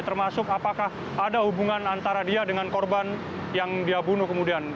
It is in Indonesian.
termasuk apakah ada hubungan antara dia dengan korban yang dia bunuh kemudian